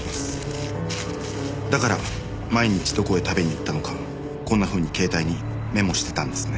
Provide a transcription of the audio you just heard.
だから毎日どこへ食べに行ったのかこんなふうに携帯にメモしてたんですね。